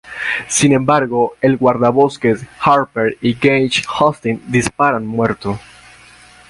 Sin embargo, el guardabosques Harper y Gage Austin disparan muerto.